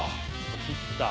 切った。